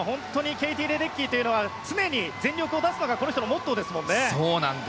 ケイティ・レデッキーは常に全力を出すのがこの人のモットーですもんね。